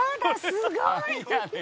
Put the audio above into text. すごい！